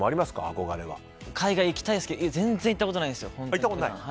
海外、行きたいですけど全然行ったことないんですよ。